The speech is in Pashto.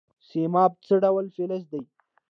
سیماب څه ډول فلز دی؟